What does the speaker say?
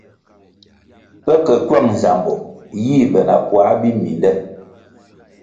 Pe ke kywang nzambo yih be na puãh biminde.